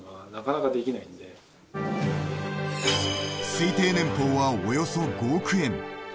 推定年俸は、およそ５億円。